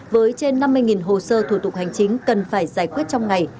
với trên năm mươi hồ sơ thủ tục hành chính cần phải giải quyết trong ngày